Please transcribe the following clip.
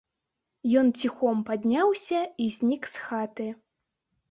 Ён ціхом падняўся і знік з хаты.